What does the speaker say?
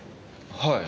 はい。